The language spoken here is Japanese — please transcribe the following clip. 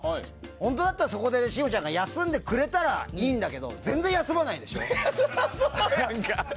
本当だったら信五ちゃんがそこで休んでくれたらいいんだけど全然休まないでしょ。